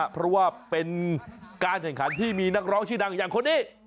เพราะว่าเป็นการแข่งขันที่มีนักร้องชื่อดังอย่างคนนี้